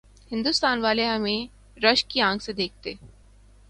ہندوستان والے ہمیں رشک کی آنکھ سے دیکھتے۔